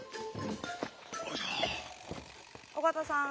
尾形さん。